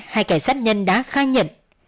hai kẻ sát nhân đã khai nhận